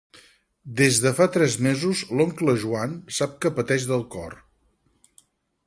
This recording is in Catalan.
Des de fa tres mesos l'oncle Joan sap que pateix del cor.